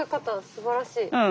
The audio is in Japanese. すばらしい。